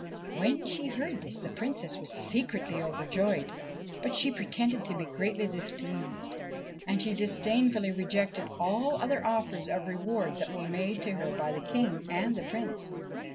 When she heard this the Princess was secretly overjoyed ; but she pretended to be greatly displeased, and she disdainfully rejected all other offers of reward that were made to her by the King and the Prince.